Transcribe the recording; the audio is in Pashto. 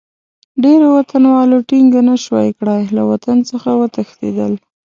ډېرو وطنوالو ټینګه نه شوای کړای، له وطن څخه وتښتېدل.